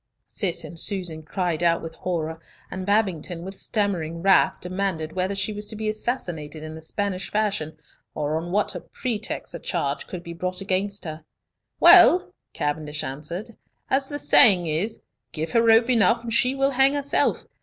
Cis and Susan cried out with horror, and Babington with stammering wrath demanded whether she was to be assassinated in the Spanish fashion, or on what pretext a charge could be brought against her. "Well," Cavendish answered, "as the saying is, give her rope enough, and she will hang herself.